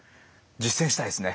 実践したいですね。